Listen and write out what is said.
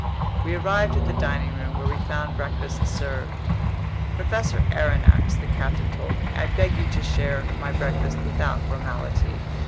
We arrived at the dining room, where we found breakfast served. "Professor Aronnax," the captain told me, "I beg you to share my breakfast without formality.